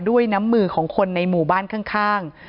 ด้วยน้ำมือของคนในหมู่บ้านข้าง